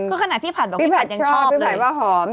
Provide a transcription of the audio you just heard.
ก็ขนาดพี่ผัดบอกว่าพี่ผัดยังชอบเลยพี่ผัดชอบพี่ผัดว่าหอม